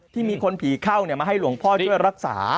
ที่มีคนผีเข้ามาให้หลวงพ่อช่วยรักษา